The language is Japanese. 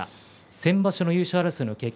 先場所の優勝争いの経験